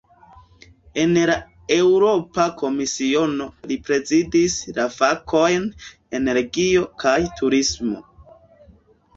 En la Eŭropa Komisiono, li prezidis la fakojn "energio kaj turismo".